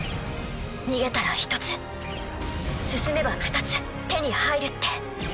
逃げたら１つ進めば２つ手に入るって。